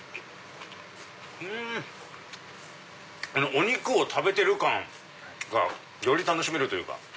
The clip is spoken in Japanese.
お肉を食べてる感がより楽しめるというか。